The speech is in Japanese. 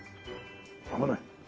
危ない。